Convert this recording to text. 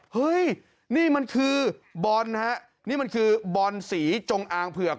เฮ้ยนี่มันคือบอลฮะนี่มันคือบอลสีจงอางเผือก